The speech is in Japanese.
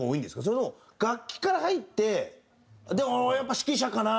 それとも楽器から入ってでもやっぱ指揮者かな？